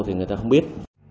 thì người ta không biết